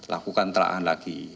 lakukan telahan lagi